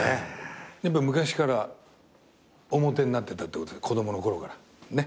やっぱ昔からおモテになってたってことで子供のころからねっ。